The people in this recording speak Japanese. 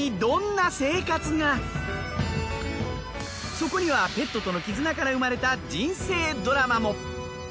そこにはペットとの絆から生まれた人生ドラマも。